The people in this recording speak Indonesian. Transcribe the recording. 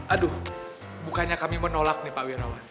aduh bukannya kami mau nolak nih pak wirawan